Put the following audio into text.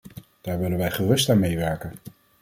Daar willen wij gerust aan meewerken.